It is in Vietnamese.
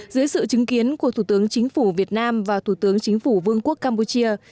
dưới sự chứng kiến của thủ tướng chính phủ việt nam và thủ tướng chính phủ vương quốc campuchia